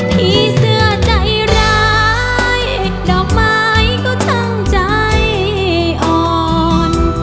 พี่เสื้อใจร้ายดอกไม้ก็ตั้งใจอ่อน